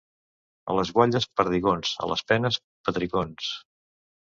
A les guatlles, perdigons; a les penes, petricons.